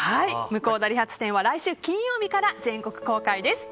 「向田理髪店」は来週金曜日から全国公開です。